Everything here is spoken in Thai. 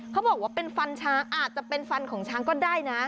เขาบอกว่าเป็นฟันช้างอาจจะเป็นฟันของช้างก็ได้นะ